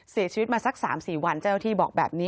เสียชีวิตมาสัก๓๔วันเจ้าหน้าที่บอกแบบนี้